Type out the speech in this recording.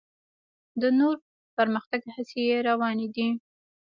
د نور پرمختګ هڅې یې روانې دي.